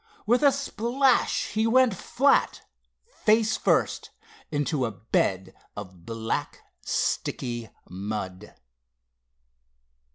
With a splash he went flat, face first, into a bed of black sticky mud.